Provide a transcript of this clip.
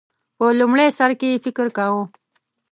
په لومړی سر کې یې فکر کاوه